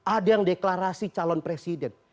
ada yang deklarasi calon presiden